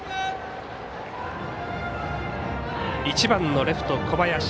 １番のレフト、小林。